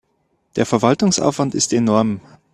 Der Verwaltungsaufwand ist enorm.